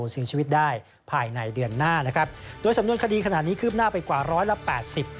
เสียชีวิตได้ภายในเดือนหน้านะครับโดยสำนวนคดีขนาดนี้คืบหน้าไปกว่าร้อยละแปดสิบ